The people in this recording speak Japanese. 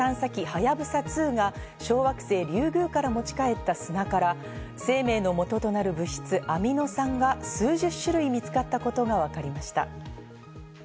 はやぶさ２が小惑星リュウグウから持ち帰った砂から生命のもととなる物質アミノ酸が数十種類見つかったことがわかりました。